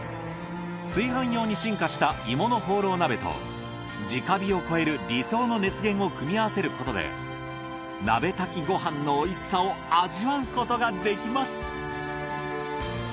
炊飯用に進化した鋳物ホーロー鍋と直火を超える理想の熱源を組み合わせることで鍋炊きご飯のおいしさを味わうことができます。